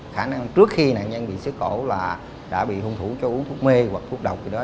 khả năng trước khi nạn nhân bị xứ khổ là đã bị hung thủ cho uống thuốc mê hoặc thuốc độc gì đó